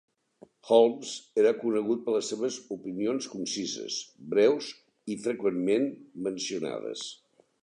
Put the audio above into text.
Holmes era conegut per les seves opinions concises, breus i freqüentment mencionades.